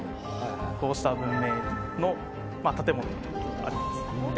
こうした文明の建物がありますで